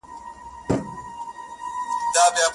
په ترخو کي یې لذت بیا د خوږو دی،